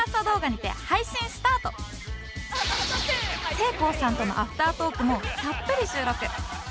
せいこうさんとのアフタートークもたっぷり収録